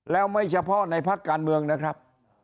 แล้วไม่เฉพาะในพักการเมืองนะครับ